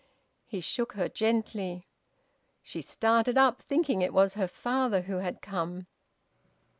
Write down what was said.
He shook her gently. She started up, thinking it was her father who had come.